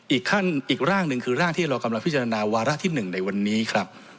อีกขั้นอีกร่างหนึ่งคือร่างที่เรากำลังพิจารณาวาระที่๑ในวันนี้ครับ